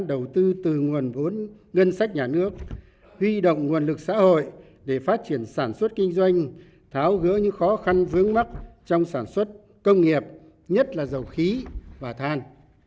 đầu tư từ nguồn vốn ngân sách nhà nước huy động nguồn lực xã hội để phát triển sản xuất kinh doanh tháo gỡ những khó khăn vướng mắt trong sản xuất công nghiệp nhất là dầu khí và than